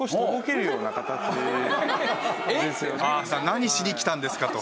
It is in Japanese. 何しに来たんですか？と。